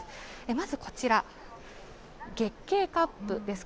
まずこちら、月経カップです。